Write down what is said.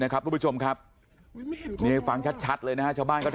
นะครับผู้ชมครับนี่ฟังชัดเลยนะคะเจ้าบ้านก็ถ่าย